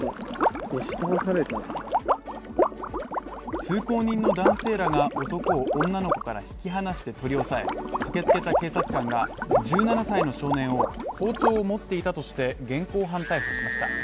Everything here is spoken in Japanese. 通行人の男性らが男を女の子から引き離して取り押さえ、駆けつけた警察官が１７歳の少年を、包丁を持っていたとして現行犯逮捕しました。